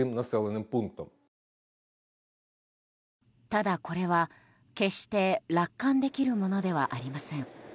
ただ、これは決して楽観できるものではありません。